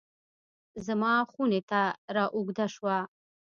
زما خونې ته رااوږده شوه